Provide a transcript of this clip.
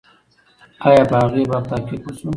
آیا په هغې باب تحقیق و سو؟